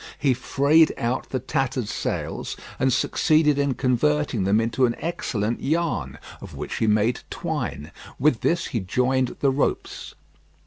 He frayed out the tattered sails, and succeeded in converting them into an excellent yarn, of which he made twine. With this he joined the ropes.